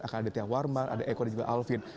akan ada tia warman ada eko dan juga alvin